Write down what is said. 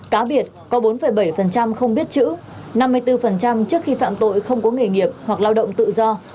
cá biệt có bốn bảy không biết chữ năm mươi bốn trước khi phạm tội không có nghề nghiệp hoặc lao động tự do